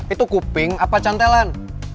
itu kuping apa cantelan